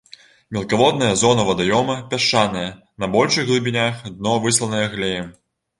Мелкаводная зона вадаёма пясчаная, на большых глыбінях дно высланае глеем.